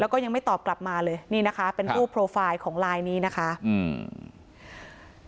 แล้วก็ยังไม่ตอบกลับมาเลยนี่นะคะเป็นรูปโปรไฟล์ของไลน์นี้นะคะอืม